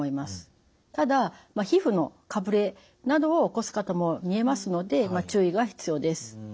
ただ皮膚のかぶれなどを起こす方もみえますので注意が必要です。